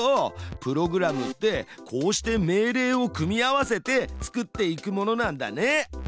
プログラムってこうして命令を組み合わせて作っていくものなんだね。